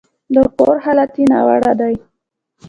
د کور حالت يې ناوړه دی.